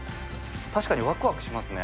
確かにワクワクしますね。